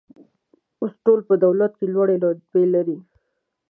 اوس ټول په دولت کې لوړې رتبې لري